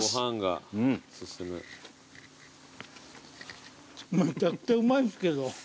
めちゃくちゃうまいですけど。